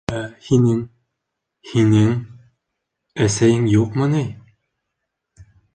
— Ә һинең... һинең... әсәйең юҡмы ни?